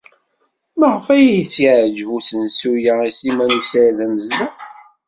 Maɣef ay as-yeɛjeb usensu-a i Sliman u Saɛid Amezdat?